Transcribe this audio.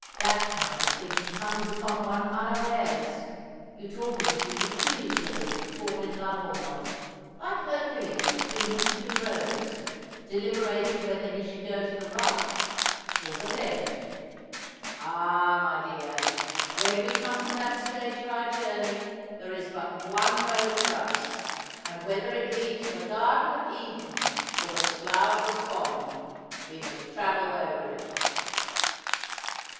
' That kind of thing comes upon one unawares. You talk as if you could choose whether you would fall in love or not — like Hercules between his two roads, deliberating whether he should go to the right or the left. Ah, my dear, when we come to that stage of our journey there is but one road for us : and whether it lead to the Garden of Eden or the Slough of Despond, we must travel over it.'